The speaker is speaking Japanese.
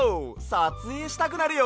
さつえいしたくなるよ！